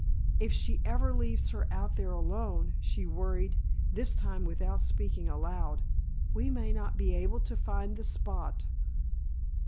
"If she ever leaves her out there alone," she worried, this time without speaking aloud, "we may not be able to find the spot."